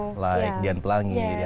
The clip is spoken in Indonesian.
seperti dian pelangi ria miranda